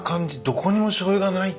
どこにもしょうゆがない。